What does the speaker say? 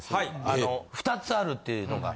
あの２つあるっていうのが。